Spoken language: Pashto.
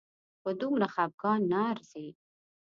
په دومره خپګان نه ارزي